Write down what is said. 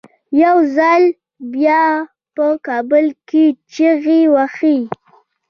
یو ځل بیا په کابل کې چیغې وهي.